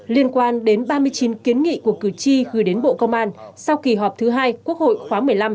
liên quan đến ba mươi chín kiến nghị của cử tri gửi đến bộ công an sau kỳ họp thứ hai quốc hội khóa một mươi năm